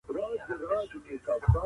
آیا په لیکلو سره یادښتونه تلپاتي وي؟